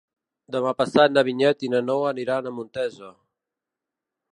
Demà passat na Vinyet i na Noa aniran a Montesa.